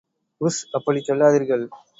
உஷ் அப்படிச் சொல்லாதீர்கள்.